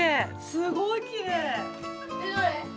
すごいきれい！